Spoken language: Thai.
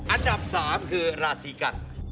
อันดับ๓คือราศีกัน